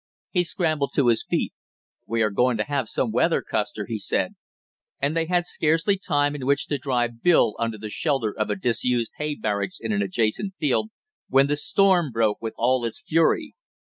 He scrambled to his feet. "We are going to have some weather, Custer!" he said, and they had scarcely time in which to drive Bill under the shelter of a disused hay barracks in an adjacent field, when the storm broke with all its fury.